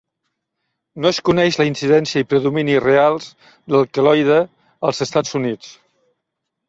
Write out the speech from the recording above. No es coneix la incidència i predomini reals del queloide als Estats Units.